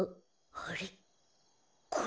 あれ？